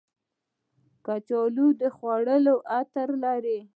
کچالو د خوړو عطر لري